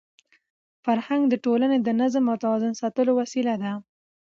فرهنګ د ټولني د نظم او توازن ساتلو وسیله ده.